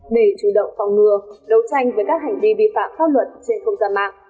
để chủ động phòng ngừa đấu tranh với các hành vi vi phạm pháp luật trên không gian mạng